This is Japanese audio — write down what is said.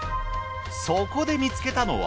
そこで見つけたのは？